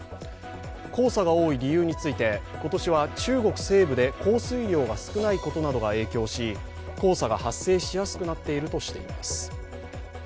黄砂が多い理由について今年は中国西部で降水量が少ないことなどが影響し黄砂が発生しやすくなっているとしています。